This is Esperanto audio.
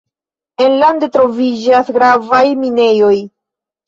Enlande troviĝas gravaj minejoj.